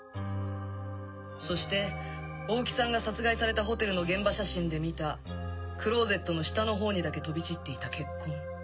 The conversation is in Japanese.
そして大木さんが殺害されたホテルの現場写真で見たクローゼットの下のほうにだけ飛び散っていた血痕